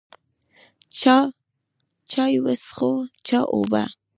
چا چای وڅښو، چا اوبه.